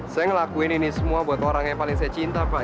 saya ngelakuin ini semua buat orang yang paling saya cinta pak